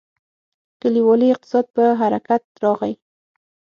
کلیوالي اقتصاد په حرکت راغی.